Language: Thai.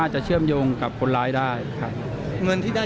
จุดหม่อกดทางสมนตรี